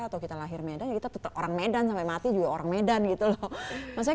atau kita lahir medan kita tetap orang medan sampai mati juga orang medan gitu loh maksudnya